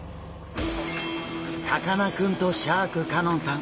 さかなクンとシャーク香音さん